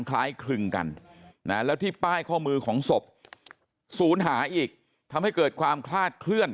คล้ายคลึงกันนะแล้วที่ป้ายข้อมือของศพศูนย์หาอีกทำให้เกิดความคลาดเคลื่อน